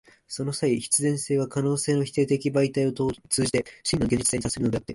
その際、必然性は可能性の否定的媒介を通じて真の現実性に達するのであって、